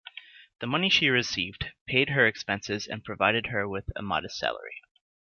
The money she received paid her expenses and provided her with a modest salary.